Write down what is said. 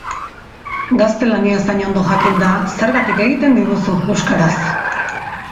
Gaztelaniaz hain ondo jakinda, zergatik egiten diguzu euskaraz?